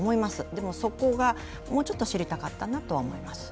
でも、そこがもうちょっと知りたかったなと思います。